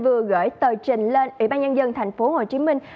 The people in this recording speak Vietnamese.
vừa gửi tờ trình lên ủy ban nhân dân thành phố hồ chí minh